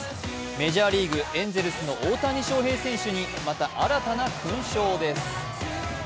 メジャーリーグ、エンゼルスの大谷翔平選手にまた新たな勲章です。